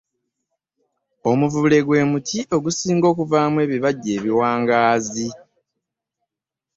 Omuvule gwe muti ogusinga okuvaamu ebibajje ebiwangaazi.